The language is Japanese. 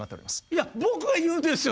いや僕が言うんですよ